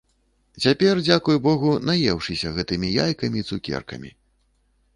Цяпер, дзякуй богу, наеўшыся гэтымі яйкамі і цукеркамі.